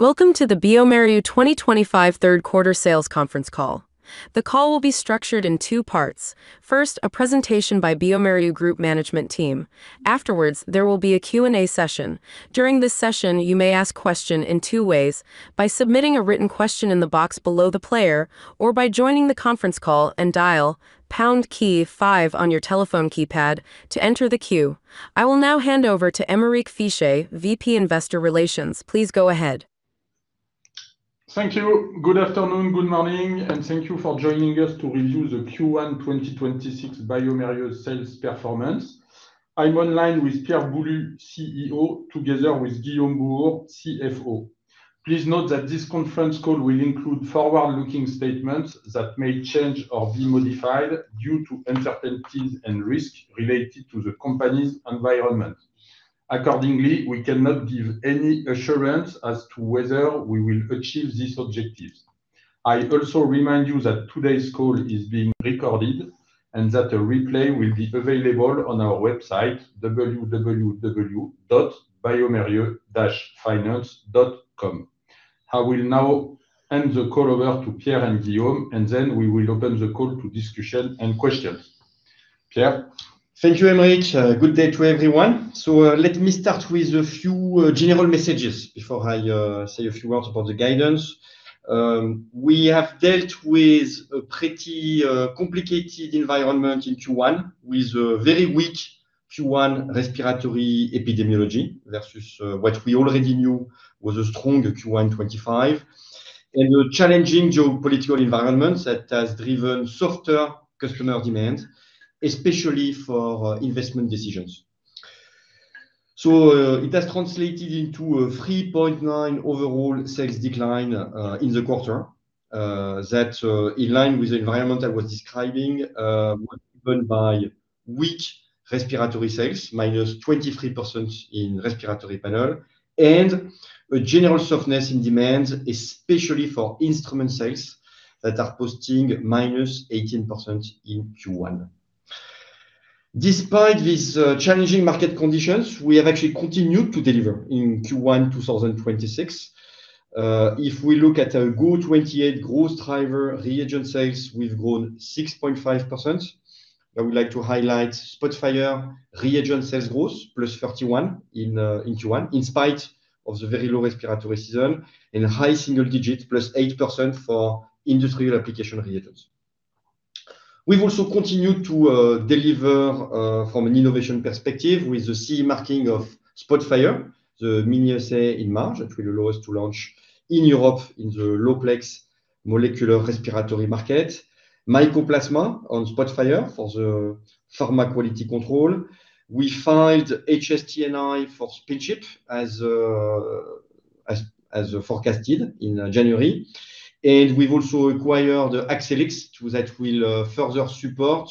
Welcome to the bioMérieux 2025 third quarter sales conference call. The call will be structured in two parts. First, a presentation by bioMérieux Group management team. Afterwards, there will be a Q&A session. During this session, you may ask question in two ways, by submitting a written question in the box below the player, or by joining the conference call and dial pound key five on your telephone keypad to enter the queue. I will now hand over to Aymeric Fichet, VP Investor Relations. Please go ahead. Thank you. Good afternoon, good morning, and thank you for joining us to review the Q1 2026 bioMérieux sales performance. I'm online with Pierre Boulud, CEO, together with Guillaume Bouhours, CFO. Please note that this conference call will include forward-looking statements that may change or be modified due to uncertainties and risk related to the company's environment. Accordingly, we cannot give any assurance as to whether we will achieve these objectives. I also remind you that today's call is being recorded and that a replay will be available on our website, biomerieux.com. I will now hand the call over to Pierre and Guillaume, and then we will open the call to discussion and questions. Pierre? Thank you, Aymeric. Good day to everyone. Let me start with a few general messages before I say a few words about the guidance. We have dealt with a pretty complicated environment in Q1 with a very weak Q1 respiratory epidemiology versus what we already knew was a strong Q1 2025, and a challenging geopolitical environment that has driven softer customer demand, especially for investment decisions. It has translated into a 3.9 overall sales decline in the quarter, that's in line with the environment I was describing. It was driven by weak respiratory sales, -23% in respiratory panel, and a general softness in demands, especially for instrument sales that are posting -18% in Q1. Despite these challenging market conditions, we have actually continued to deliver in Q1 2026. If we look at our GO28 growth driver reagent sales, we've grown 6.5%. I would like to highlight [SPOTFIRE] reagent sales growth +31% in Q1, in spite of the very low respiratory season, and high single digits +8% for industrial application reagents. We've also continued to deliver from an innovation perspective with the CE marking of SPOTFIRE R Panel Mini in March that will allow us to launch in Europe in the low-plex molecular respiratory market, Mycoplasma on SPOTFIRE for the pharma quality control. We filed HsTnI for Speed Chip as forecasted in January, and we've also acquired the Accellix that will further support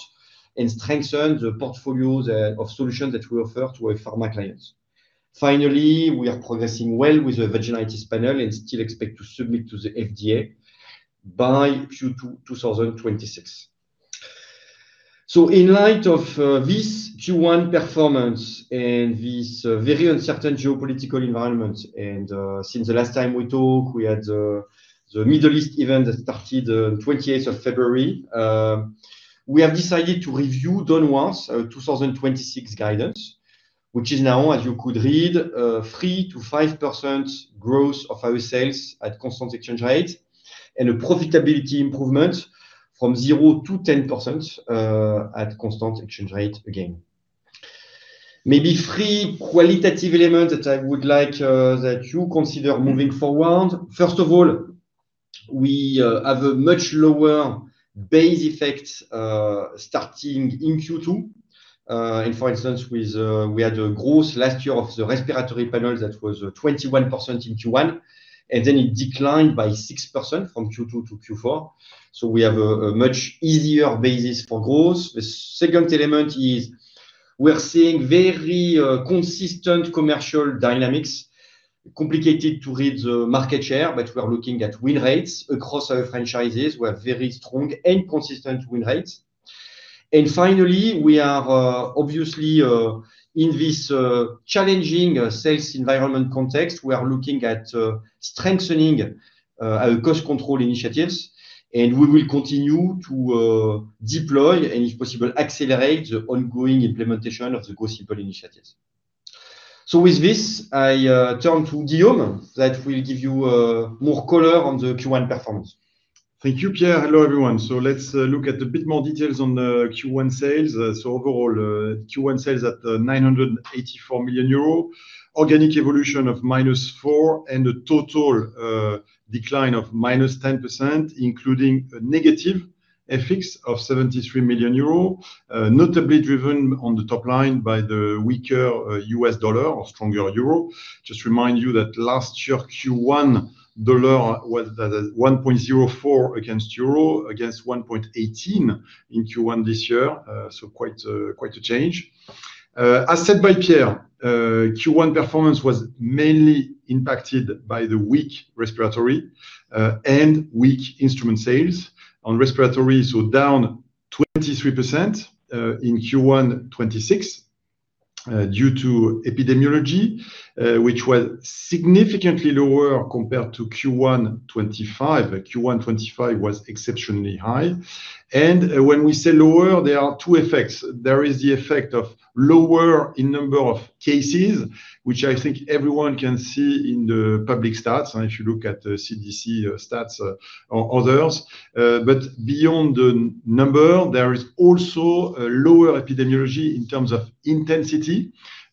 and strengthen the portfolio of solutions that we offer to our pharma clients. Finally, we are progressing well with the Vaginitis (VG) Panel and still expect to submit to the FDA by Q2 2026. In light of this Q1 performance and this very uncertain geopolitical environment, and since the last time we talked, we had the Middle East event that started on 28th of February. We have decided to revise down our 2026 guidance, which is now, as you could read, 3%-5% growth of our sales at constant exchange rate and a profitability improvement from 0% to 10% at constant exchange rate again. Maybe three qualitative elements that I would like you consider moving forward. First of all, we have a much lower base effect starting in Q2. For instance, we had a growth last year of the respiratory panel that was 21% in Q1, and then it declined by 6% from Q2 to Q4. We have a much easier basis for growth. The second element is we're seeing very consistent commercial dynamics. Complicated to read the market share, but we are looking at win rates across our franchises. We have very strong and consistent win rates. Finally, we are obviously in this challenging sales environment context. We are looking at strengthening our cost control initiatives, and we will continue to deploy and if possible, accelerate the ongoing implementation of the cost control initiatives. With this, I turn to Guillaume that will give you more color on the Q1 performance. Thank you, Pierre. Hello, everyone. Let's look at a bit more details on the Q1 sales. Overall, Q1 sales at 984 million euro. Organic evolution of -4%, and a total decline of -10%, including a negative FX of 73 million euros. Notably driven on the top line by the weaker US dollar or stronger euro. Just remind you that last year, Q1 dollar was at 1.04 against euro, against 1.18 in Q1 this year. Quite a change. As said by Pierre, Q1 performance was mainly impacted by the weak respiratory, and weak instrument sales. On respiratory, down 23% in Q1 2026 due to epidemiology, which was significantly lower compared to Q1 2025. Q1 2025 was exceptionally high. When we say lower, there are two effects. There is the effect of lower in number of cases, which I think everyone can see in the public stats, and if you look at the CDC stats or others. Beyond the number, there is also a lower epidemiology in terms of intensity.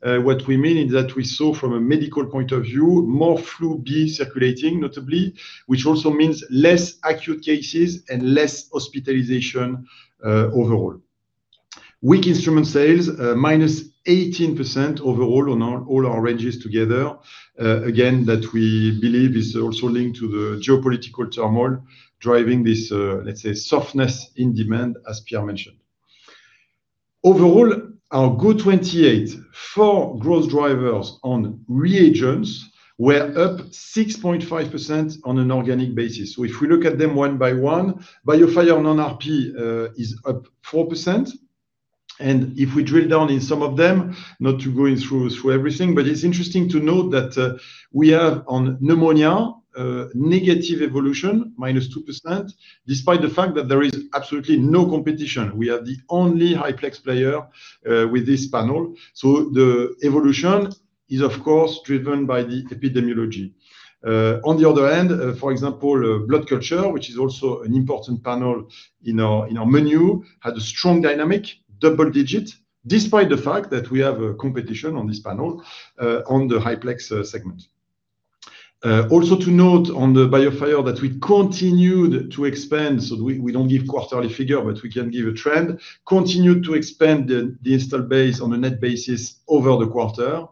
What we mean is that we saw from a medical point of view, more flu B circulating notably, which also means less acute cases and less hospitalization overall. Weak instrument sales, -18% overall on all our ranges together. Again, that we believe is also linked to the geopolitical turmoil driving this, let's say, softness in demand, as Pierre mentioned. Overall, our GO28 four growth drivers on reagents were up 6.5% on an organic basis. If we look at them one by one, BIOFIRE non-RP is up 4%. If we drill down in some of them, not going through everything, but it's interesting to note that we have, on pneumonia, negative evolution, -2%, despite the fact that there is absolutely no competition. We are the only high-plex player with this panel. The evolution is, of course, driven by the epidemiology. On the other end, for example, blood culture, which is also an important panel in our menu, had a strong dynamic, double-digit, despite the fact that we have a competition on this panel on the high-plex segment. Also, to note on the BIOFIRE that we continued to expand. We don't give quarterly figure, but we can give a trend. Continued to expand the install base on a net basis over the quarter.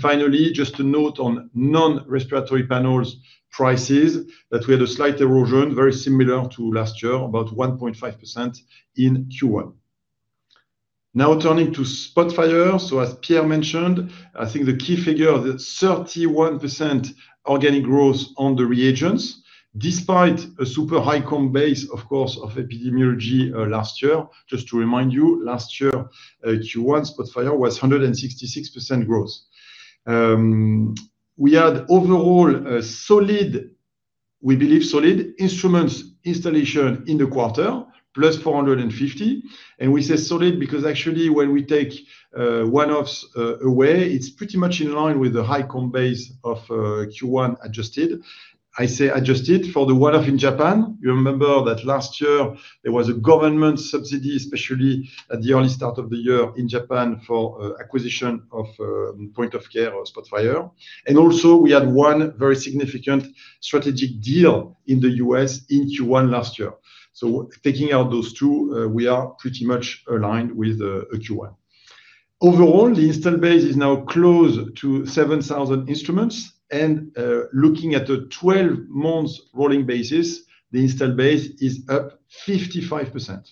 Finally, just to note on non-respiratory panels prices, that we had a slight erosion, very similar to last year, about 1.5% in Q1. Now turning to SPOTFIRE. As Pierre mentioned, I think the key figure, the 31% organic growth on the reagents, despite a super high comp base, of course, of epidemiology last year. Just to remind you, last year, Q1 SPOTFIRE was 166% growth. We had overall a solid instruments installation in the quarter, +450. We say solid because actually when we take one-offs away, it's pretty much in line with the high comp base of Q1 adjusted. I say adjusted for the one-off in Japan. You remember that last year there was a government subsidy, especially at the early start of the year in Japan for acquisition of point-of-care or SPOTFIRE. Also we had one very significant strategic deal in the U.S. in Q1 last year. Taking out those two, we are pretty much aligned with Q1. Overall, the install base is now close to 7,000 instruments, and looking at the 12-month rolling basis, the install base is up 55%.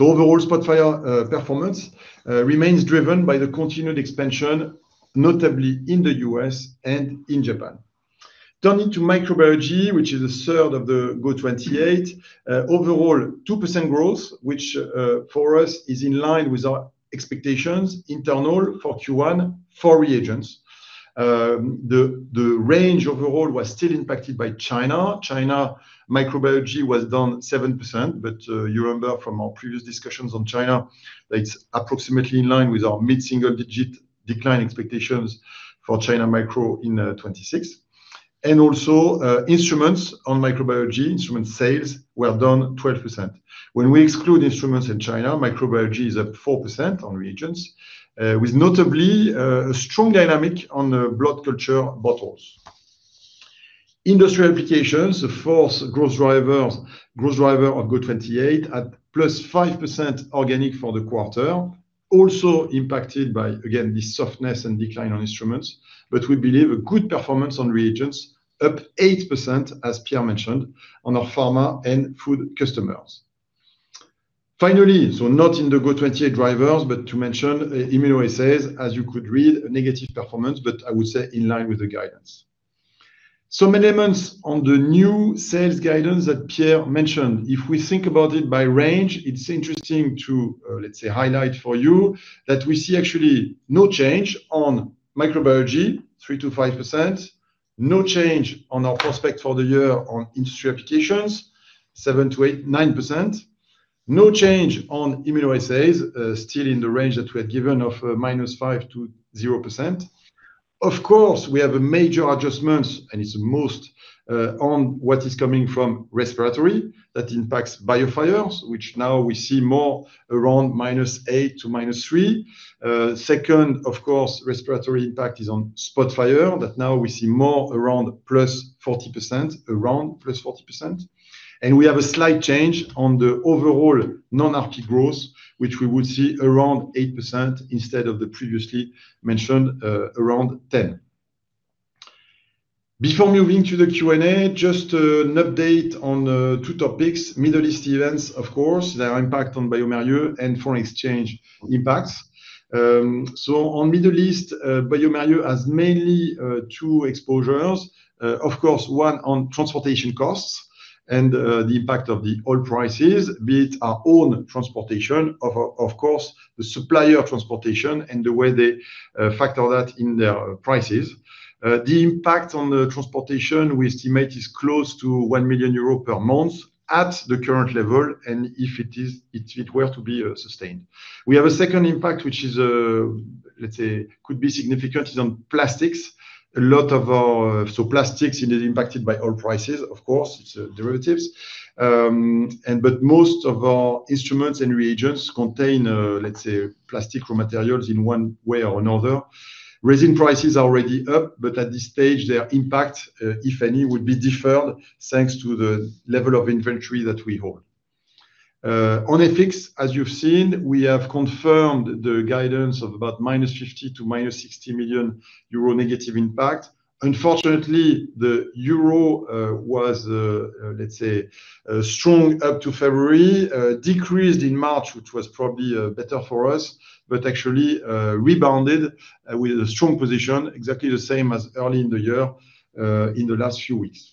Overall SPOTFIRE performance remains driven by the continued expansion, notably in the U.S. and in Japan. Turning to microbiology, which is a third of the GO28. Overall 2% growth, which for us is in line with our expectations internal for Q1 for reagents. The range overall was still impacted by China. China microbiology was down 7%, but you remember from our previous discussions on China that it's approximately in line with our mid-single-digit decline expectations for China micro in 2026. Also instruments on microbiology, instrument sales were down 12%. When we exclude instruments in China, microbiology is up 4% on reagents, with notably a strong dynamic on blood culture bottles. Industrial applications, the fourth growth driver of GO28, at +5% organic for the quarter. Also impacted by, again, the softness and decline on instruments, but we believe a good performance on reagents, up 8%, as Pierre mentioned, on our pharma and food customers. Finally, so not in the GO28 drivers, but to mention, immunoassay, as you could read, a negative performance, but I would say in line with the guidance. Some elements on the new sales guidance that Pierre mentioned. If we think about it by range, it's interesting to, let's say, highlight for you that we see actually no change on microbiology, 3%-5%. No change on our prospects for the year on industrial applications, 7%-9%. No change on immunoassays, still in the range that we had given of -5%-0%. Of course, we have major adjustments, and it's mostly on what is coming from respiratory. That impacts BIOFIRE, which now we see more around -8%-3%. Second, of course, respiratory impact is on SPOTFIRE, that now we see more around +40%. We have a slight change on the overall non-RP growth, which we would see around 8% instead of the previously mentioned around 10%. Before moving to the Q&A, just an update on two topics. Middle East events, of course, their impact on bioMérieux, and foreign exchange impacts. On Middle East, bioMérieux has mainly two exposures. Of course, one on transportation costs and the impact of the oil prices, be it our own transportation, of course, the supplier transportation and the way they factor that in their prices. The impact on the transportation we estimate is close to 1 million euro per month at the current level, and if it were to be sustained. We have a second impact, which let's say could be significant, is on plastics. Plastics is impacted by oil prices, of course. It's derivatives. But most of our instruments and reagents contain, let's say, plastic raw materials in one way or another. Resin prices are already up, but at this stage, their impact, if any, would be deferred thanks to the level of inventory that we hold. On FX, as you've seen, we have confirmed the guidance of about -50 million--60 million euro negative impact. Unfortunately, the euro was, let's say, strong up to February. Decreased in March, which was probably better for us. Actually rebounded with a strong position, exactly the same as early in the year, in the last few weeks.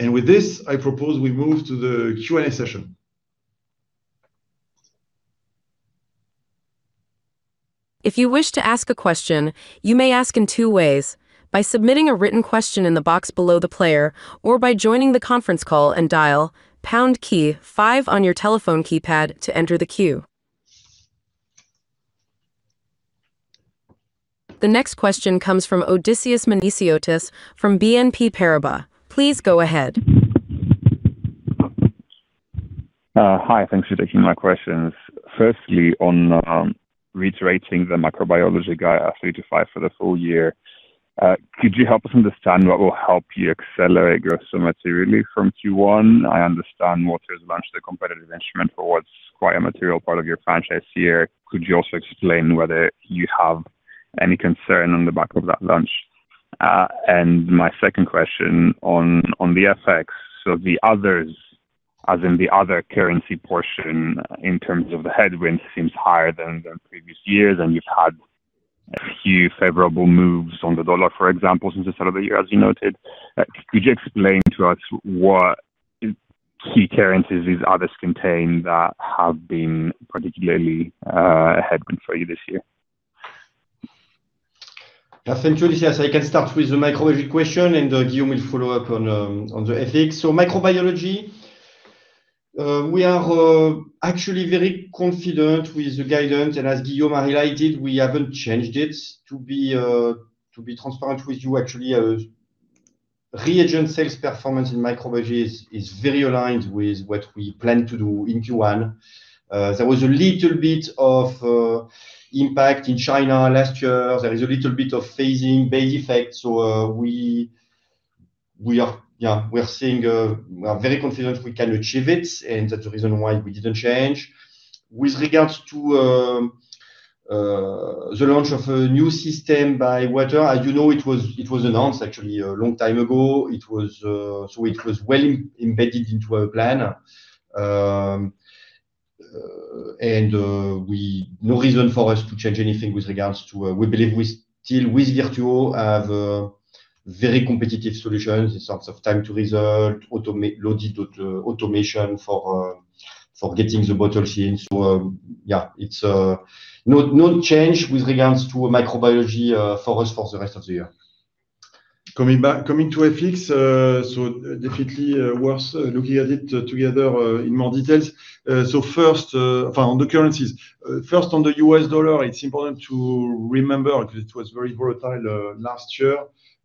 With this, I propose we move to the Q&A session. If you wish to ask a question, you may ask in two ways. By submitting a written question in the box below the player, or by joining the conference call and dial star key five on your telephone keypad to enter the queue. The next question comes from Odysseas Manesiotis from BNP Paribas. Please go ahead. Hi. Thanks for taking my questions. Firstly, on reiterating the microbiology guide, 3%-5% for the full year. Could you help us understand what will help you accelerate growth so materially from Q1? I understand Waters launched a competitive instrument for what's quite a material part of your franchise here. Could you also explain whether you have any concern on the back of that launch? My second question on the FX. The others, as in the other currency portion in terms of the headwind seems higher than the previous years, and you've had a few favorable moves on the dollar, for example, since the start of the year, as you noted. Could you explain to us what key currencies these others contain that have been particularly a headwind for you this year? Thanks, Odysseas. I can start with the microbiology question, and Guillaume will follow up on the FX. Microbiology, we are actually very confident with the guidance, and as Guillaume highlighted, we haven't changed it. To be transparent with you, actually, reagent sales performance in microbiology is very aligned with what we plan to do in Q1. There was a little bit of impact in China last year. There is a little bit of phasing base effect. We are very confident we can achieve it, and that's the reason why we didn't change. With regards to the launch of a new system by Waters, as you know, it was announced actually a long time ago. It was well embedded into our plan, and no reason for us to change anything with regards to. We believe we still, with VIRTUO, have very competitive solutions in terms of time to result, loaded automation for getting the bottle yield. Yeah, it's no change with regards to microbiology for us for the rest of the year. Coming to FX, definitely worth looking at it together in more details. First on the currencies. First on the U.S. dollar, it's important to remember, because it was very volatile last year,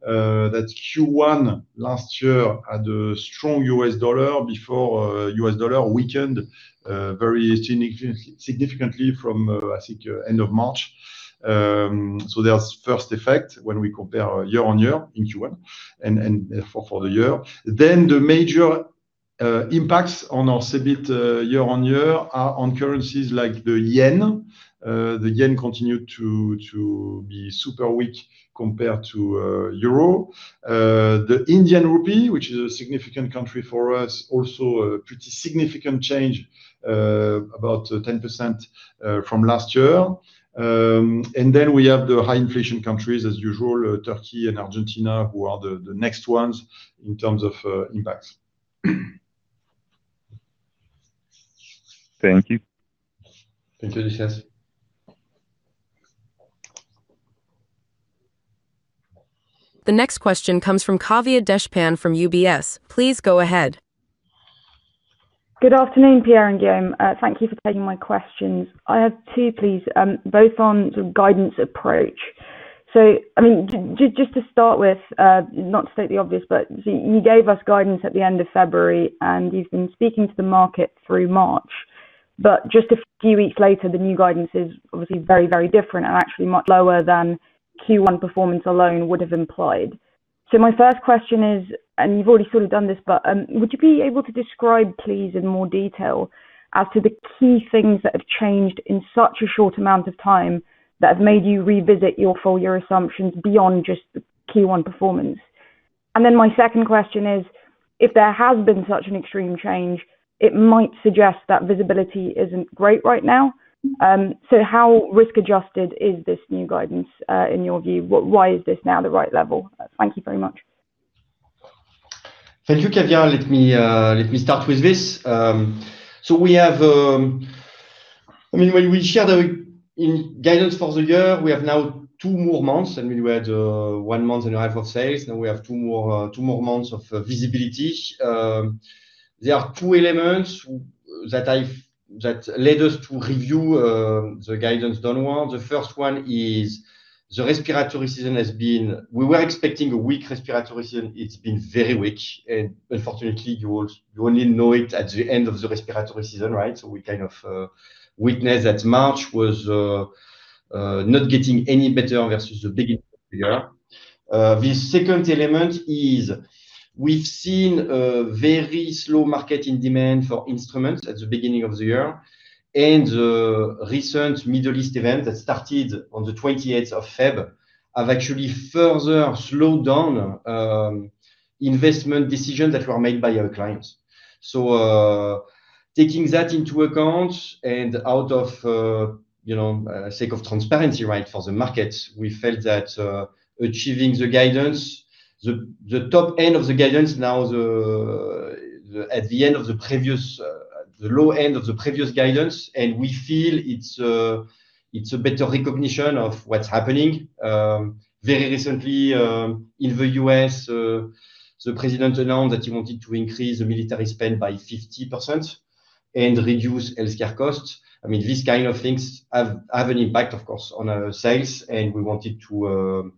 that Q1 last year had a strong U.S. dollar before U.S. dollar weakened very significantly from, I think, end of March. There's first effect when we compare year-on-year in Q1 and for the year. The major impacts on our EBIT year-on-year are on currencies like the yen. The yen continued to be super weak compared to euro. The Indian rupee, which is a significant country for us, also a pretty significant change, about 10% from last year. We have the high inflation countries as usual, Turkey and Argentina, who are the next ones in terms of impacts. Thank you. Thank you, Odysseas. The next question comes from Kavya Deshpande from UBS. Please go ahead. Good afternoon, Pierre and Guillaume. Thank you for taking my questions. I have two, please, both on sort of guidance approach. Just to start with, not to state the obvious, but you gave us guidance at the end of February, and you've been speaking to the market through March. Just a few weeks later, the new guidance is obviously very different and actually much lower than Q1 performance alone would have implied. My first question is, and you've already sort of done this, but would you be able to describe, please, in more detail as to the key things that have changed in such a short amount of time that have made you revisit your full year assumptions beyond just the Q1 performance? My second question is, if there has been such an extreme change, it might suggest that visibility isn't great right now. How risk-adjusted is this new guidance, in your view? Why is this now the right level? Thank you very much. Thank you, Kavya. Let me start with this. When we share the guidance for the year, we have now two more months. We had one month in half of sales, now we have two more months of visibility. There are two elements that led us to review the guidance downward. The first one is the respiratory season. We were expecting a weak respiratory season. It's been very weak, and unfortunately you only know it at the end of the respiratory season, right? We kind of witnessed that March was not getting any better versus the beginning of the year. The second element is we've seen a very slow market in demand for instruments at the beginning of the year, and the recent Middle East event that started on the 28th of February, have actually further slowed down investment decisions that were made by our clients. Taking that into account and for the sake of transparency for the market, we felt that achieving the top end of the guidance, now at the low end of the previous guidance, and we feel it's a better recognition of what's happening. Very recently in the U.S., the President announced that he wanted to increase the military spend by 50% and reduce healthcare costs. These kind of things have an impact, of course, on our sales, and we wanted to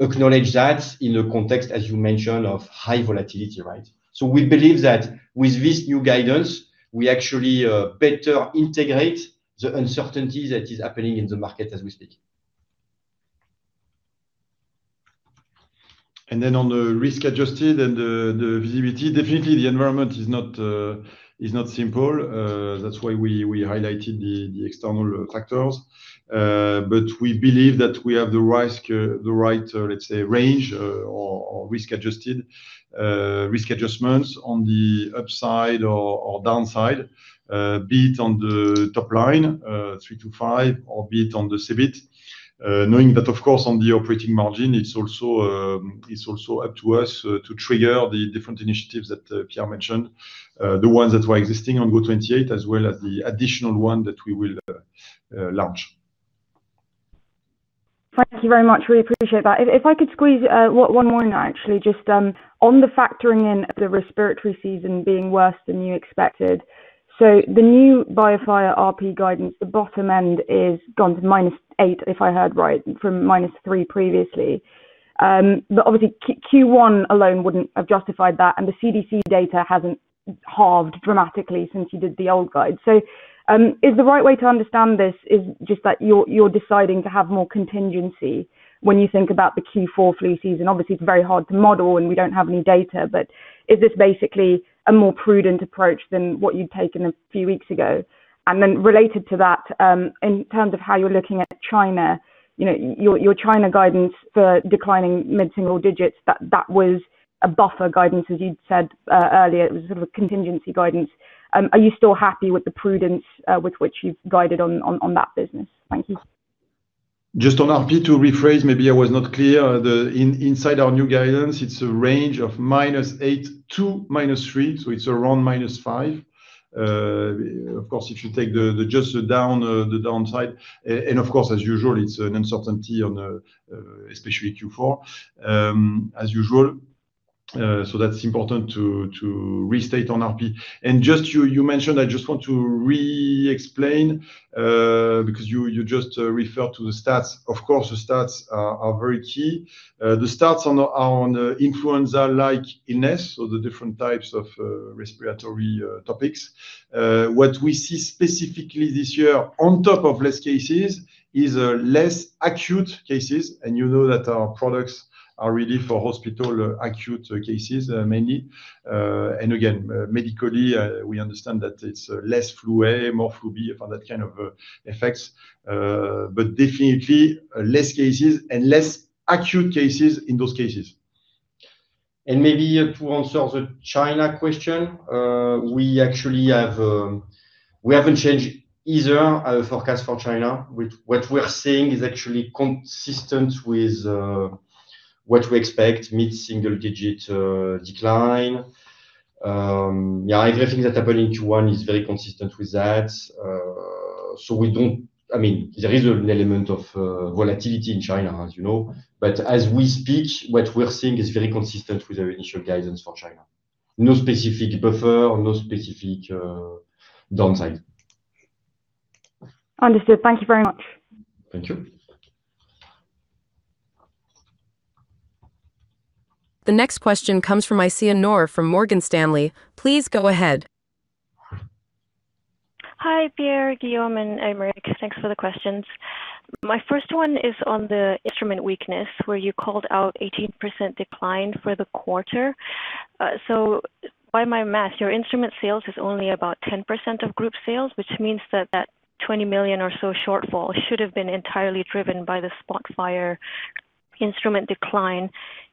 acknowledge that in the context, as you mentioned, of high volatility, right? We believe that with this new guidance, we actually better integrate the uncertainty that is happening in the market as we speak. On the risk-adjusted and the visibility, definitely the environment is not simple. That's why we highlighted the external factors. We believe that we have the right, let's say, range, or risk-adjustments on the upside or downside. Be it on the top line, 3%-5%, or be it on the EBIT, knowing that, of course, on the operating margin, it's also up to us to trigger the different initiatives that Pierre mentioned, the ones that were existing on GO28, as well as the additional one that we will launch. Thank you very much. Really appreciate that. If I could squeeze one more in, actually. Just on the factoring in of the respiratory season being worse than you expected. The new BIOFIRE RP guidance, the bottom end is gone to -8%, if I heard right, from -3% previously. Obviously Q1 alone wouldn't have justified that, and the CDC data hasn't halved dramatically since you did the old guide. Is the right way to understand this just that you're deciding to have more contingency when you think about the Q4 flu season? Obviously, it's very hard to model, and we don't have any data. Is this basically a more prudent approach than what you'd taken a few weeks ago? Related to that, in terms of how you're looking at China, your China guidance for declining mid-single digits, that was a buffer guidance, as you'd said earlier. It was sort of a contingency guidance. Are you still happy with the prudence with which you've guided on that business? Thank you. Just on RP to rephrase, maybe I was not clear. Inside our new guidance, it's a range of -8% to -3%, so it's around -5%. Of course, if you take just the downside, and of course, as usual, it's an uncertainty on especially Q4, as usual. That's important to restate on RP. You mentioned, I just want to re-explain, because you just referred to the stats. Of course, the stats are very key. The stats on influenza-like illness, so the different types of respiratory topics. What we see specifically this year, on top of less cases, is less acute cases, and you know that our products are really for hospital acute cases mainly. And again, medically, we understand that it's less, and that kind of effects. But definitely less cases and less acute cases in those cases. Maybe to answer the China question. We haven't changed either our forecast for China. What we're seeing is actually consistent with what we expect, mid-single-digit decline. Everything that happened in Q1 is very consistent with that. There is an element of volatility in China, as you know. As we speak, what we're seeing is very consistent with our initial guidance for China. No specific buffer or no specific downside. Understood. Thank you very much. Thank you. The next question comes from Aisyah Noor from Morgan Stanley. Please go ahead. Hi Pierre, Guillaume, and Aymeric. Thanks for the questions. My first one is on the instrument weakness, where you called out 18% decline for the quarter. By my math, your instrument sales is only about 10% of group sales, which means that that 20 million or so shortfall should have been entirely driven by the SPOTFIRE instrument decline.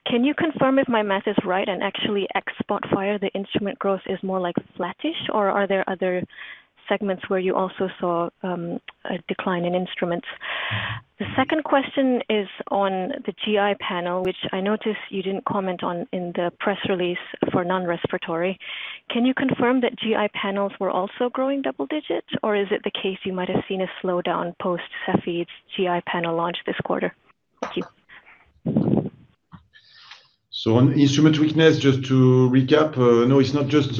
Can you confirm if my math is right and actually ex SPOTFIRE, the instrument growth is more like flattish, or are there other segments where you also saw a decline in instruments? The second question is on the GI Panel, which I noticed you didn't comment on in the press release for non-respiratory. Can you confirm that GI Panels were also growing double digits, or is it the case you might have seen a slowdown post Cepheid's GI panel launch this quarter? Thank you. On instrument weakness, just to recap, no, it's not just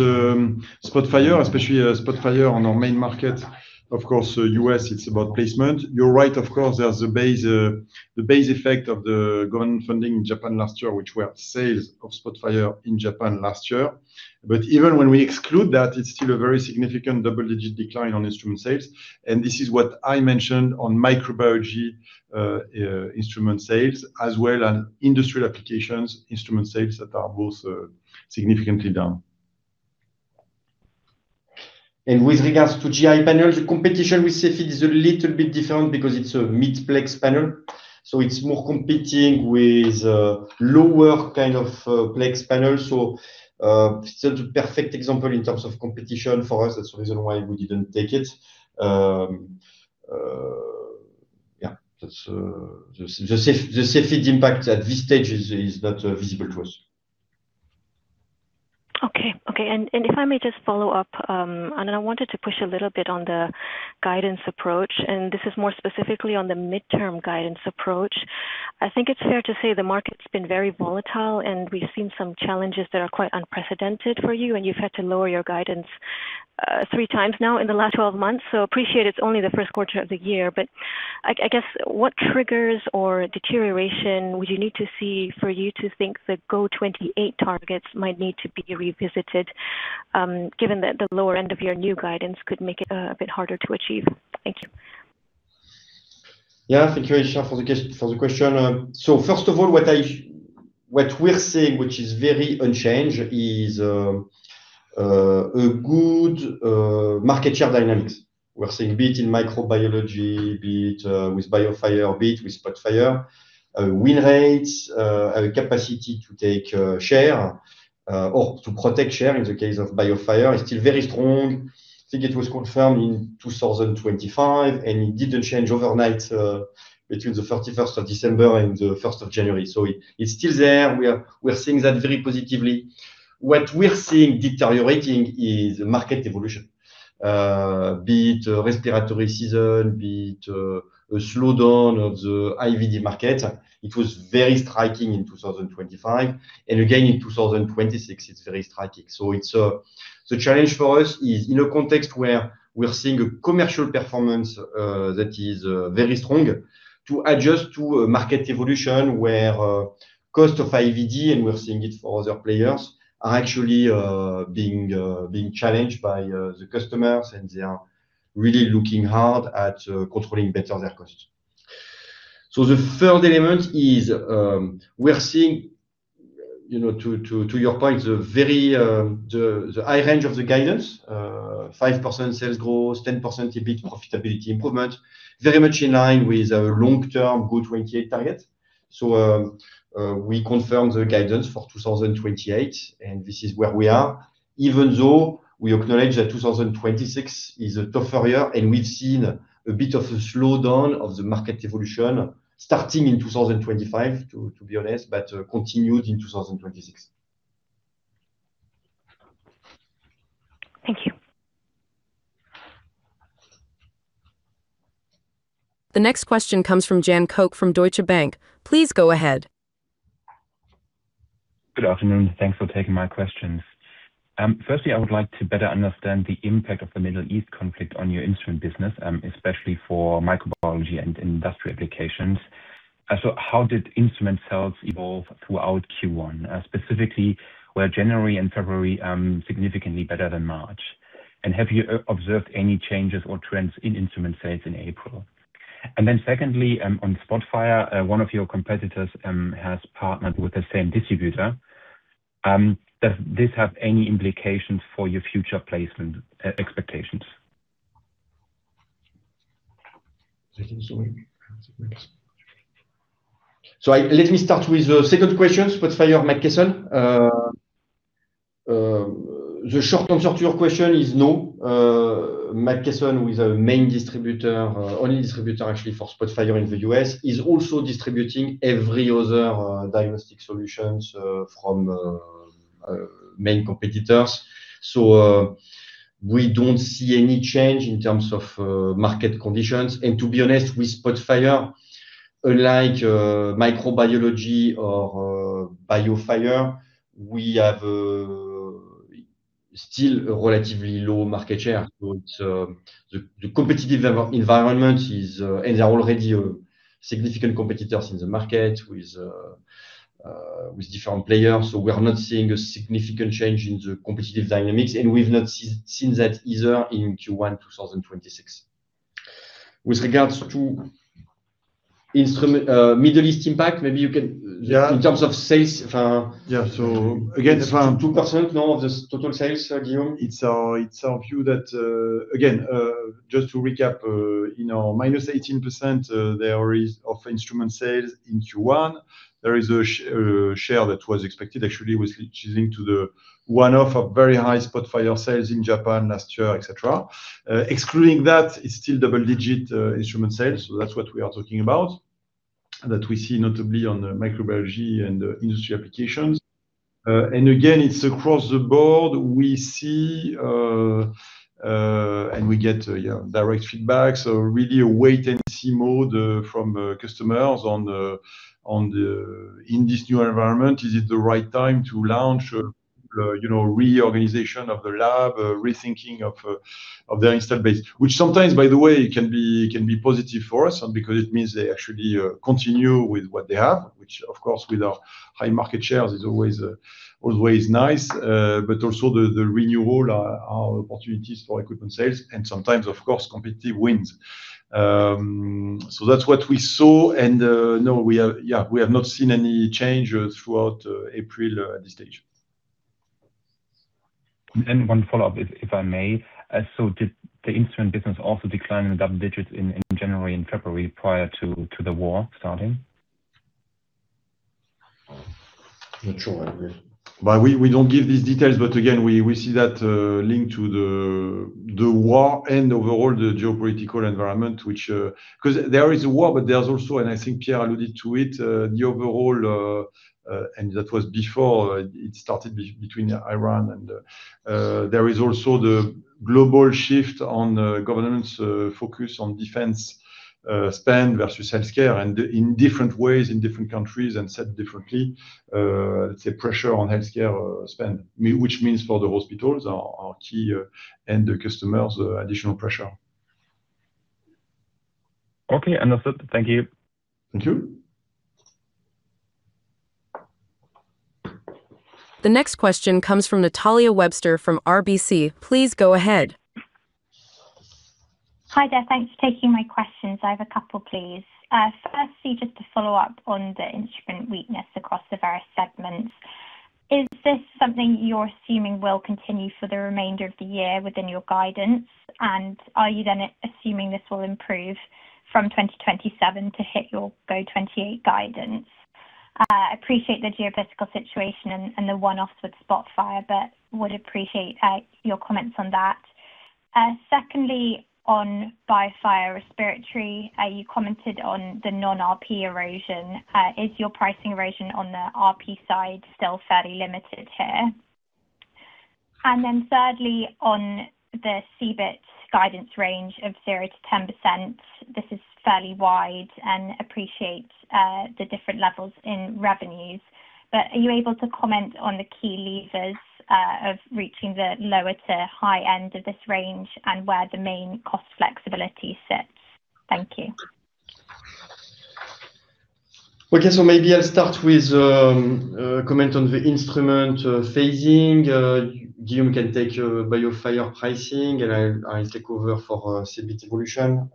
SPOTFIRE, especially SPOTFIRE on our main market. Of course, U.S., it's about placement. You're right, of course, there's the base effect of the government funding in Japan last year, which were sales of SPOTFIRE in Japan last year. Even when we exclude that, it's still a very significant double-digit decline on instrument sales, and this is what I mentioned on microbiology instrument sales, as well as industrial applications, instrument sales that are both significantly down. With regards to GI panels, the competition with Cepheid is a little bit different because it's a mid-plex panel, so it's more competing with lower kind of plex panels. It's not a perfect example in terms of competition for us. That's the reason why we didn't take it. Yeah. The Cepheid impact at this stage is not visible to us. Okay. If I may just follow up, and I wanted to push a little bit on the guidance approach, and this is more specifically on the midterm guidance approach. I think it's fair to say the market's been very volatile, and we've seen some challenges that are quite unprecedented for you, and you've had to lower your guidance 3x now in the last 12 months. Appreciate it's only the first quarter of the year, but I guess what triggers or deterioration would you need to see for you to think the GO28 targets might need to be revisited, given that the lower end of your new guidance could make it a bit harder to achieve? Thank you. Yeah. Thank you, Aisyah, for the question. First of all, what we're seeing, which is very unchanged, is a good market share dynamics. We're seeing beat in microbiology, beat with BIOFIRE, beat with SPOTFIRE. Win rates have a capacity to take share, or to protect share in the case of BIOFIRE, is still very strong. I think it was confirmed in 2025, and it didn't change overnight, between the 31st of December and the 1st of January. It's still there. We are seeing that very positively. What we're seeing deteriorating is market evolution. Be it respiratory season, be it a slowdown of the IVD market. It was very striking in 2025 and again in 2026, it's very striking. The challenge for us is in a context where we are seeing a commercial performance that is very strong, to adjust to a market evolution where cost of IVD, and we're seeing it for other players, are actually being challenged by the customers, and they are really looking hard at controlling better their costs. The third element is we are seeing to your point, the high range of the guidance, 5% sales growth, 10% EBIT profitability improvement, very much in line with our long-term goal 2028 target. We confirm the guidance for 2028, and this is where we are, even though we acknowledge that 2026 is a tough year, and we've seen a bit of a slowdown of the market evolution starting in 2025, to be honest, but continued in 2026. Thank you. The next question comes from Jan Koch from Deutsche Bank. Please go ahead. Good afternoon. Thanks for taking my questions. Firstly, I would like to better understand the impact of the Middle East conflict on your instrument business, especially for microbiology and industrial applications. How did instrument sales evolve throughout Q1? Specifically, were January and February significantly better than March? Have you observed any changes or trends in instrument sales in April? Secondly, on SPOTFIRE, one of your competitors has partnered with the same distributor. Does this have any implications for your future placement expectations? Let me start with the second question, SPOTFIRE, McKesson. The short answer to your question is no. McKesson, who is our main distributor, only distributor actually for SPOTFIRE in the U.S., is also distributing every other diagnostic solutions from main competitors. We don't see any change in terms of market conditions. To be honest, with SPOTFIRE, unlike microbiology or BIOFIRE, we have still a relatively low market share. The competitive environment is, and they are already significant competitors in the market with different players. We're not seeing a significant change in the competitive dynamics, and we've not seen that either in Q1 2026. With regards to instrument Middle East impact, maybe you can- Yeah in terms of sales. Yeah. Again 2% now of the total sales, Guillaume. It's our view that, again, just to recap, -18% in instrument sales in Q1. There is a share that was expected, actually, due to the one-off of very high SPOTFIRE sales in Japan last year, et cetera. Excluding that, it's still double-digit instrument sales. That's what we are talking about that we see notably on the microbiology and industry applications. Again, it's across the board. We see, and we get direct feedback, so really a wait and see mode from customers in this new environment. Is it the right time to launch a reorganization of the lab, a rethinking of their installed base? Which sometimes, by the way, can be positive for us, because it means they actually continue with what they have. Which of course with our high market shares is always nice. Also the renewal are opportunities for equipment sales and sometimes, of course, competitive wins. That's what we saw and, no, we have not seen any change throughout April at this stage. One follow-up, if I may. Did the instrument business also decline in the double digits in January and February prior to the war starting? Not sure I agree. We don't give these details. Again, we see that link to the war and overall the geopolitical environment, which, because there is a war, but there's also, and I think Pierre alluded to it, the overall, and that was before it started between Iran and. There is also the global shift on governance focus on defense spend versus healthcare, and in different ways, in different countries, and set differently. Let's say pressure on healthcare spend, which means for the hospitals, our key end customers, additional pressure. Okay. Understood. Thank you. Thank you. The next question comes from Natalia Webster from RBC. Please go ahead. Hi there. Thanks for taking my questions. I have a couple, please. Firstly, just to follow up on the instrument weakness across the various segments. Is this something you're assuming will continue for the remainder of the year within your guidance? Are you then assuming this will improve from 2027 to hit your GO28 guidance? I appreciate the geopolitical situation and the one-offs with SPOTFIRE, but would appreciate your comments on that. Secondly, on BIOFIRE respiratory, you commented on the non-RP erosion. Is your pricing erosion on the RP side still fairly limited here? Thirdly, on the EBIT guidance range of 0%-10%, this is fairly wide, and I appreciate the different levels in revenues. Are you able to comment on the key levers of reaching the lower to high end of this range and where the main cost flexibility sits? Thank you. Okay. Maybe I'll start with a comment on the instrument phasing. Guillaume can take BIOFIRE pricing, and I'll take over for EBIT evolution.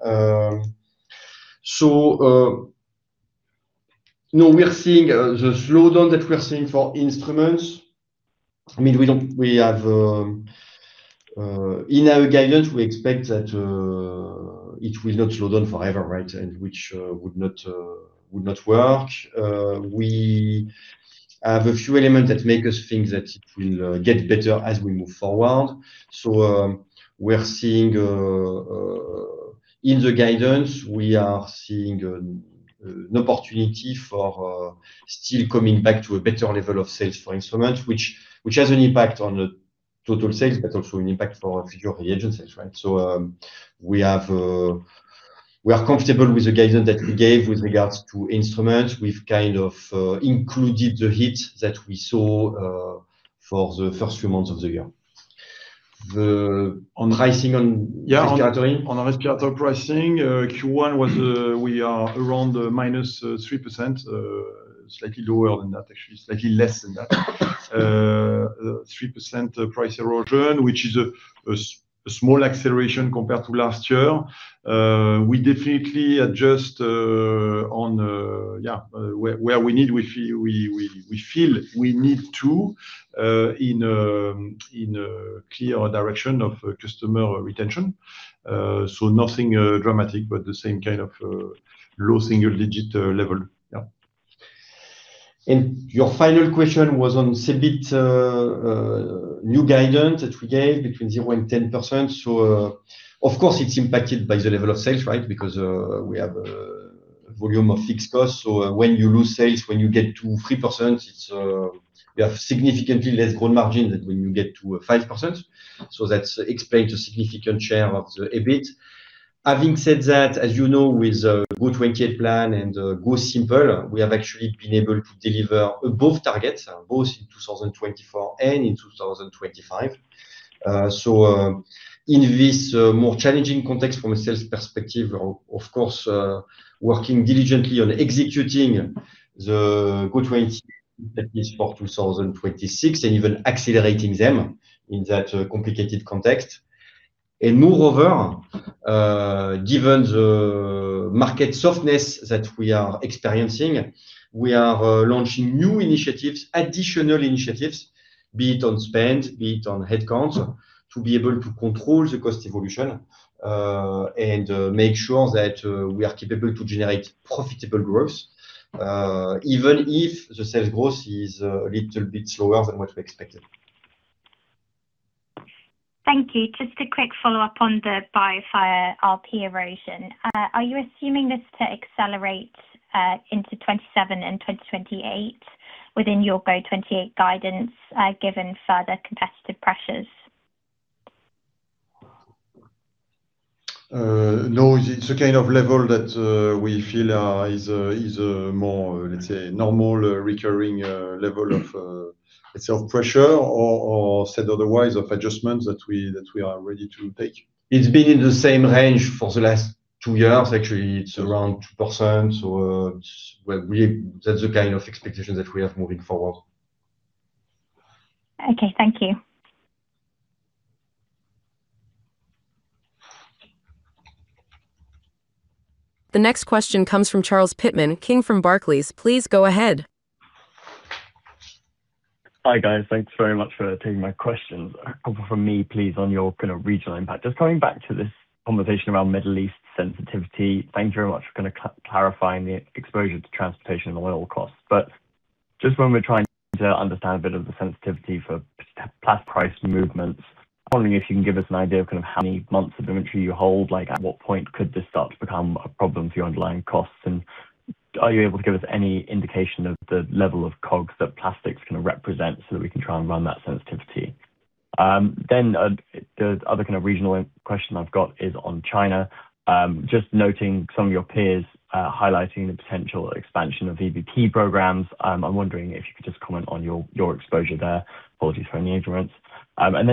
Now we are seeing the slowdown that we are seeing for instruments. In our guidance, we expect that it will not slow down forever, right? Which would not work. We have a few elements that make us think that it will get better as we move forward. We are seeing in the guidance, we are seeing an opportunity for still coming back to a better level of sales for instruments, which has an impact on the total sales, but also an impact for future reagents, right? We are comfortable with the guidance that we gave with regards to instruments. We've kind of included the hit that we saw for the first few months of the year. On pricing on respiratory. Yeah. On respiratory pricing, Q1, we are around -3%, slightly lower than that, actually, slightly less than that. 3% price erosion, which is a small acceleration compared to last year. We definitely adjust on where we feel we need to, in a clear direction of customer retention. Nothing dramatic, but the same kind of low single-digit level. Yeah. Your final question was on EBIT new guidance that we gave between 0% and 10%. Of course, it's impacted by the level of sales, right? Because we have volume of fixed costs. When you lose sales, when you get to 3%, you have significantly less growth margin than when you get to 5%. That explains the significant share of the EBIT. Having said that, as you know, with the GO28 plan and GO Simple, we have actually been able to deliver above targets, both in 2024 and in 2025. In this more challenging context from a sales perspective, of course, working diligently on executing the GO28 that is for 2026 and even accelerating them in that complicated context. Moreover, given the market softness that we are experiencing, we are launching new initiatives, additional initiatives, be it on spend, be it on headcounts, to be able to control the cost evolution, and make sure that we are capable to generate profitable growth even if the sales growth is a little bit slower than what we expected. Thank you. Just a quick follow-up on the BIOFIRE RP erosion. Are you assuming this to accelerate into 2027 and 2028 within your GO28 guidance, given further competitive pressures? No. It's a kind of level that we feel is a more, let's say, normal recurring level of pressure or said otherwise, of adjustments that we are ready to take. It's been in the same range for the last two years. Actually, it's around 2%. That's the kind of expectation that we have moving forward. Okay, thank you. The next question comes from Charles Pitman-King from Barclays. Please go ahead. Hi, guys. Thanks very much for taking my questions. A couple from me, please, on your kind of regional impact. Just coming back to this conversation around Middle East sensitivity, thanks very much for kind of clarifying the exposure to transportation and oil costs. But just when we're trying to understand a bit of the sensitivity for plastic price movements, I'm wondering if you can give us an idea of kind of how many months of inventory you hold. Like at what point could this start to become a problem for your underlying costs? And are you able to give us any indication of the level of COGS that plastics kind of represent so that we can try and run that sensitivity? The other kind of regional question I've got is on China. Just noting some of your peers highlighting the potential expansion of VBP programs. I'm wondering if you could just comment on your exposure there. Apologies for any utterance.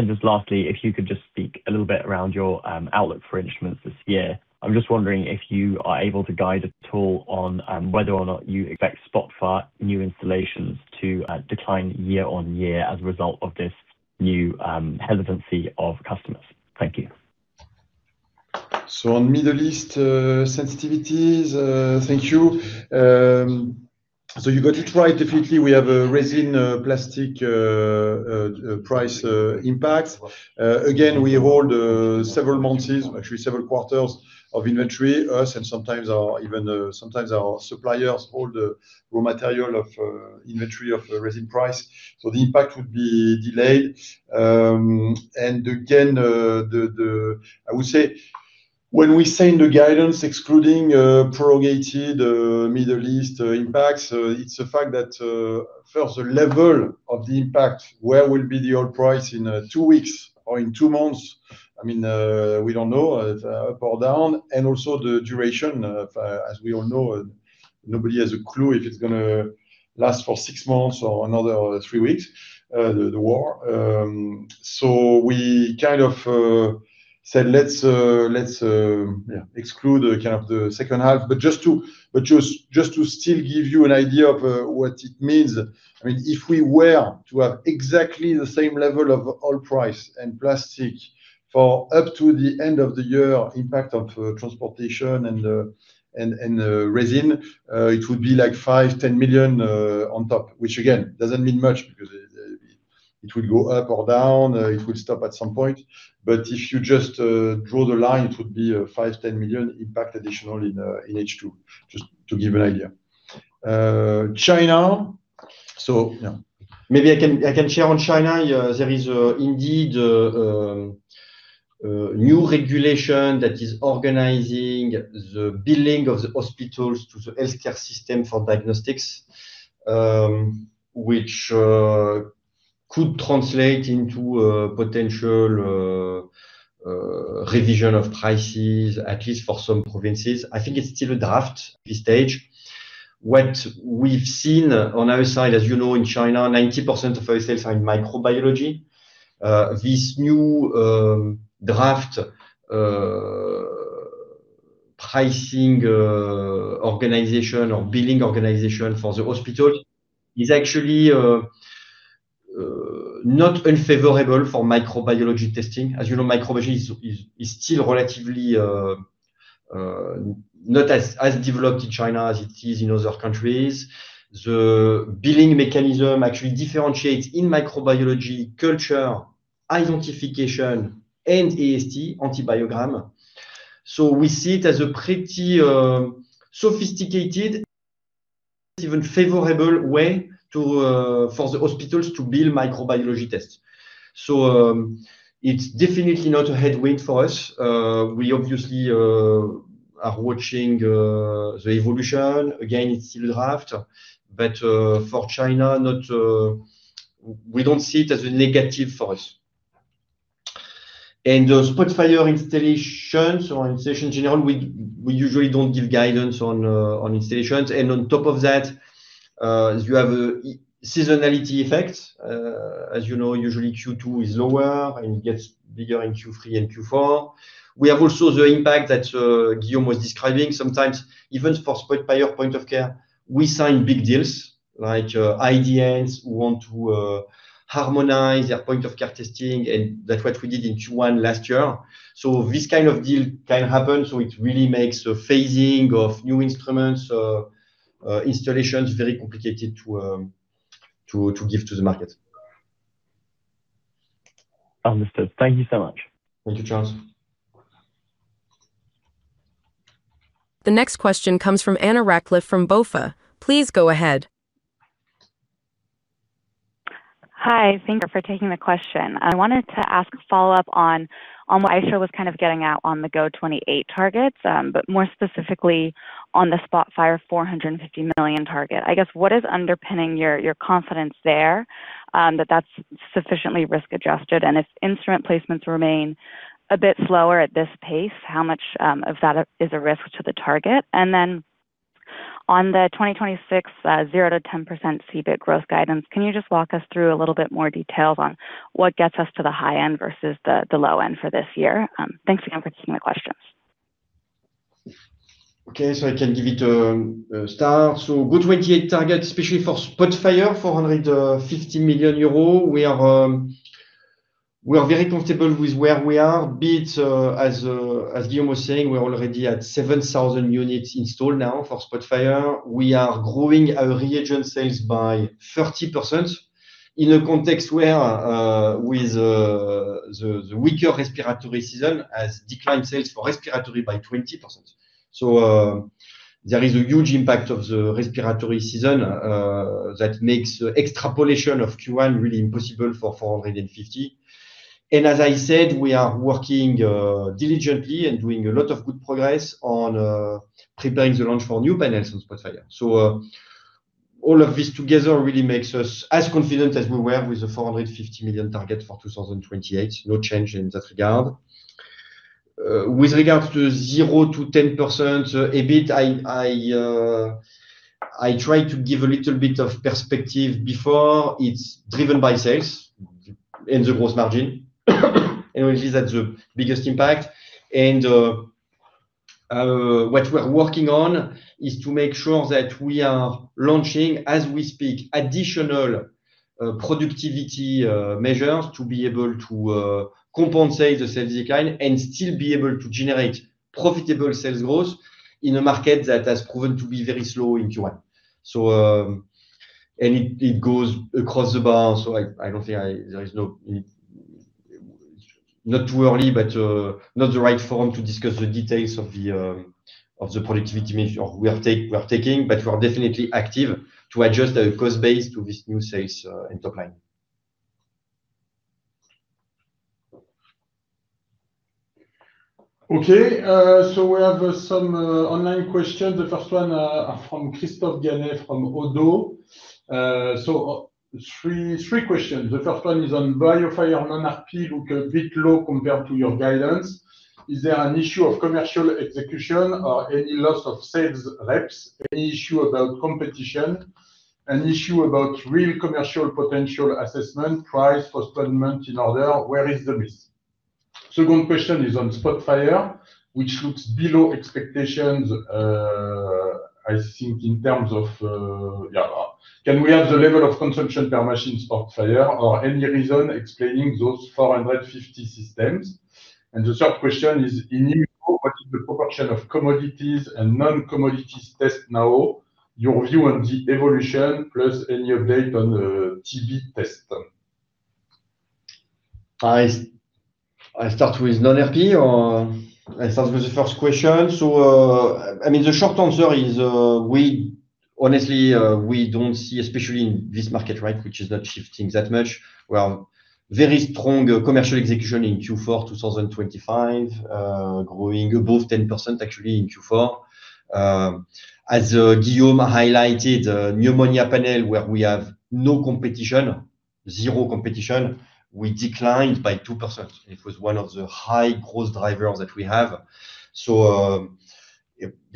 Just lastly, if you could just speak a little bit around your outlook for instruments this year. I'm just wondering if you are able to guide at all on whether or not you expect SPOTFIRE new installations to decline year-over-year as a result of this new hesitancy of customers. Thank you. On Middle East sensitivities, thank you. You got it right. Definitely, we have a resin plastic price impact. Again, we hold several months, actually several quarters of inventory. Us and sometimes our suppliers hold the raw material inventory for resin prices. The impact would be delayed. Again, I would say when we say in the guidance excluding protracted Middle East impacts, it's a fact that first the level of the impact, where will be the oil price in two weeks or in two months, we don't know if up or down, and also the duration, as we all know, nobody has a clue if it's going to last for six months or another three weeks, the war. We kind of said let's exclude kind of the second half. Just to still give you an idea of what it means, if we were to have exactly the same level of oil price and plastic for up to the end of the year impact of transportation and resin, it would be like 5 million-10 million on top. Which again, doesn't mean much because it will go up or down. It will stop at some point. If you just draw the line, it would be a 5 million-10 million impact additional in H2, just to give an idea. China. Maybe I can share on China. There is indeed a new regulation that is organizing the billing of the hospitals to the healthcare system for diagnostics, which could translate into a potential revision of prices, at least for some provinces. I think it's still a draft at this stage. What we've seen on our side, as you know, in China, 90% of our sales are in microbiology. This new draft pricing organization or billing organization for the hospital is actually not unfavorable for microbiology testing. As you know, microbiology is still relatively not as developed in China as it is in other countries. The billing mechanism actually differentiates in microbiology culture, identification, and AST, [antibiogram]. So we see it as a pretty sophisticated, even favorable way for the hospitals to bill microbiology tests. So it's definitely not a headwind for us. We obviously are watching the evolution. Again, it's still a draft, but for China, we don't see it as a negative for us. The SPOTFIRE installations or installations in general, we usually don't give guidance on installations, and on top of that, you have a seasonality effect. As you know, usually Q2 is lower, and it gets bigger in Q3 and Q4. We have also the impact that Guillaume was describing. Sometimes even for SPOTFIRE point-of-care, we sign big deals like IDNs who want to harmonize their point-of-care testing, and that's what we did in Q1 last year. This kind of deal can happen, so it really makes the phasing of new instruments, installations very complicated to give to the market. Understood. Thank you so much. Thank you, Charles. The next question comes from Anna Ractliffe from BofA. Please go ahead. Hi. Thank you for taking the question. I wanted to ask follow-up on what was shared was kind of getting at the GO28 targets, but more specifically on the SPOTFIRE 450 million target. I guess, what is underpinning your confidence there that that's sufficiently risk adjusted, and if instrument placements remain a bit slower at this pace, how much of that is a risk to the target? On the 2026, 0%-10% EBIT growth guidance, can you just walk us through a little bit more details on what gets us to the high end versus the low end for this year? Thanks again for taking the questions. Okay. I can give it a start. GO28 target, especially for SPOTFIRE 450 million euros. We are very comfortable with where we are. Be it, as Guillaume was saying, we're already at 7,000 units installed now for SPOTFIRE. We are growing our reagent sales by 30% in a context where the weaker respiratory season has declined sales for respiratory by 20%. There is a huge impact of the respiratory season that makes extrapolation of Q1 really impossible for 450 million. As I said, we are working diligently and doing a lot of good progress on preparing the launch for new panels on SPOTFIRE. All of this together really makes us as confident as we were with the 450 million target for 2028. No change in that regard. With regards to 0%-10% EBIT, I tried to give a little bit of perspective before. It's driven by sales and the gross margin. Really, that's the biggest impact. What we're working on is to make sure that we are launching, as we speak, additional productivity measures to be able to compensate the sales decline and still be able to generate profitable sales growth in a market that has proven to be very slow in Q1. It goes across the board, so I don't think it's too early, but not the right forum to discuss the details of the productivity measure we are taking, but we are definitely active to adjust the cost base to this new sales and top line. Okay. We have some online questions. The first one from [Christophe Gannett] from Oddo. Three questions. The first one is on BIOFIRE. Non-RP look a bit low compared to your guidance. Is there an issue of commercial execution or any loss of sales reps, any issue about competition, an issue about real commercial potential assessment, price postponement in order? Where is the miss? Second question is on SPOTFIRE, which looks below expectations, I think in terms of. Can we have the level of consumption per machine SPOTFIRE or any reason explaining those 450 systems? The third question is, in IMU, what is the proportion of commodities and non-commodities test now, your view on the evolution, plus any update on the TB test? I start with the first question. The short answer is, honestly, we don't see, especially in this market, right, which is not shifting that much. We are very strong commercial execution in Q4 2025, growing above 10% actually in Q4. As Guillaume highlighted, pneumonia panel, where we have no competition, zero competition, we declined by 2%. It was one of the high growth drivers that we have.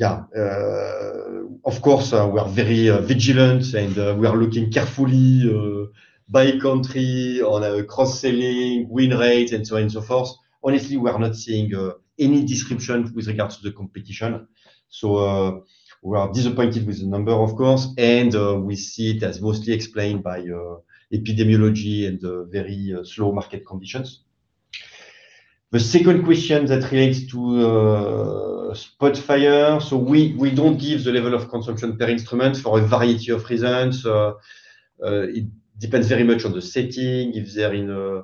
Yeah. Of course, we are very vigilant, and we are looking carefully by country on cross-selling, win rate, and so on and so forth. Honestly, we are not seeing any degradation with regards to the competition. We are disappointed with the number, of course, and we see it as mostly explained by epidemiology and very slow market conditions. The second question that relates to SPOTFIRE. We don't give the level of consumption per instrument for a variety of reasons. It depends very much on the setting, if they're in a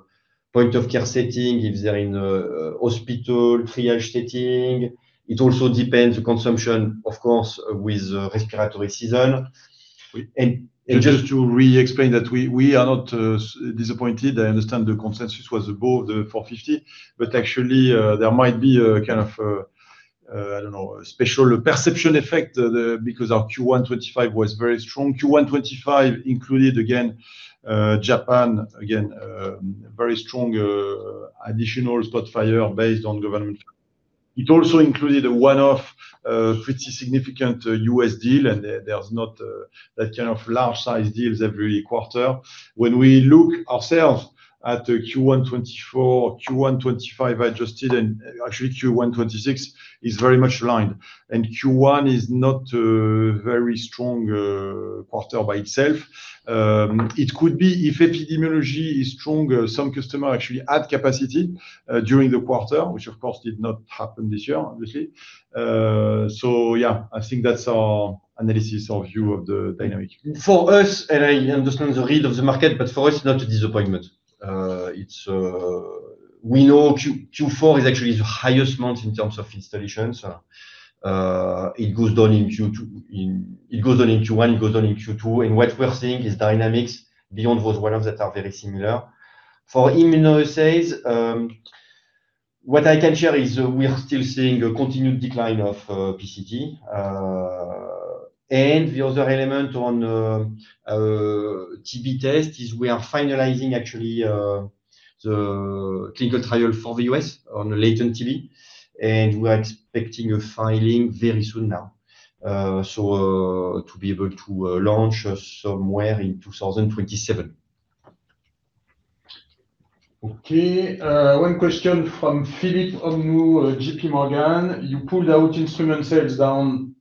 point-of-care setting, if they're in a hospital triage setting. It also depends on the consumption, of course, with respiratory season. Just to re-explain that we are not disappointed. I understand the consensus was above 450 million, but actually there might be a kind of, I don't know, special perception effect there because our Q1 2025 was very strong. Q1 2025 included, again, Japan. Again, very strong additional SPOTFIRE based on government. It also included a one-off pretty significant U.S. deal, and there's not that kind of large size deals every quarter. When we look ourselves at the Q1 2024, Q1 2025 adjusted, and actually Q1 2026 is very much aligned. Q1 is not a very strong quarter by itself. It could be if epidemiology is stronger, some customer actually add capacity during the quarter, which of course did not happen this year, obviously. Yeah, I think that's our analysis or view of the dynamic. For us, and I understand the read of the market, but for us, it's not a disappointment. We know Q4 is actually the highest amount in terms of installations. It goes down in Q1, it goes down in Q2. What we're seeing is dynamics beyond those levels that are very similar. For immunoassays, what I can share is we are still seeing a continued decline of PCT. The other element on TB test is we are finalizing actually the clinical trial for the U.S. on latent TB, and we're expecting a filing very soon now. To be able to launch somewhere in 2027. Okay. One question from Philip Omnou, JP Morgan. You pulled out instrument sales down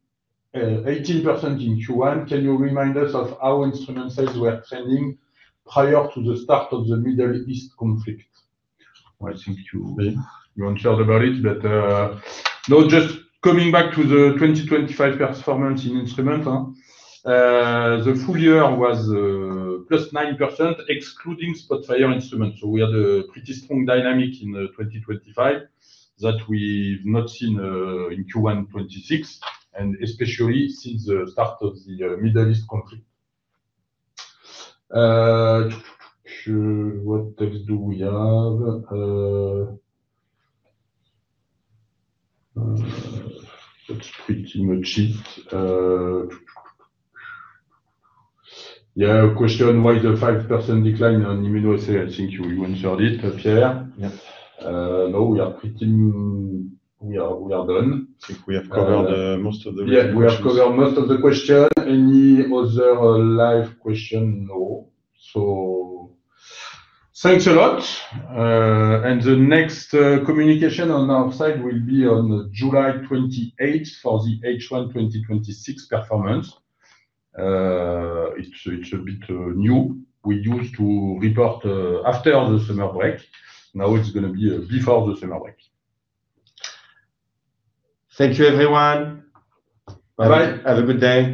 18% in Q1. Can you remind us of how instrument sales were trending prior to the start of the Middle East conflict? I think you answered about it, but no, just coming back to the 2025 performance in instrument. The full year was plus 9%, excluding SPOTFIRE instrument. We had a pretty strong dynamic in 2025 that we've not seen in Q1 2026, and especially since the start of the Middle East conflict. What else do we have? That's pretty much it. Yeah. A question, why the 5% decline on immunoassay? I think you answered it, Pierre. Yeah. Now we are done. I think we have covered most of the questions. Yeah, we have covered most of the question. Any other live question? No. Thanks a lot. The next communication on our side will be on July 28th for the H1 2026 performance. It's a bit new. We used to report after the summer break. Now it's going to be before the summer break. Thank you everyone. Bye. Bye-bye. Have a good day.